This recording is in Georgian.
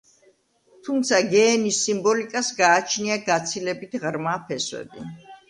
თუმცა გეენის სიმბოლიკას გააჩნია გაცილებით ღრმა ფესვები.